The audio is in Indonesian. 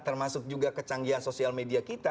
termasuk juga kecanggihan sosial media kita